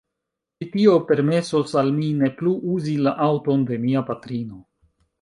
Ĉi tio permesos al mi ne plu uzi la aŭton de mia patrino.